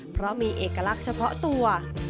เพราะมีเอกลักษณ์เฉพาะตัว